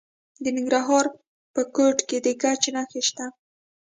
د ننګرهار په کوټ کې د ګچ نښې شته.